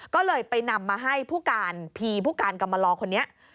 ก็เลยไปนำมาให้ผู้การพีผู้การกรรมลอคนนี้